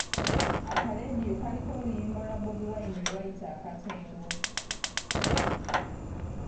Akaleediyo kaaliko oluyimba lwa Bobi Wine lwe bayita Akatengo.